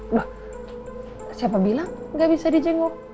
mbak siapa bilang gak bisa di jenguk